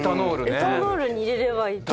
エタノールに入れればいい。